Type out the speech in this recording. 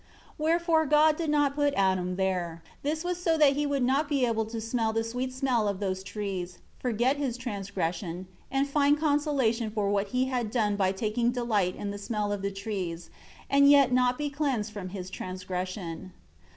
7 Wherefore God did not put Adam there. This was so that he would not be able to smell the sweet smell of those trees, forget his transgression, and find consolation for what he had done by taking delight in the smell of the trees and yet not be cleansed from his transgression.